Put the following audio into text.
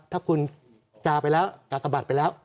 ถ้าคุณกากบัตรไปแล้ว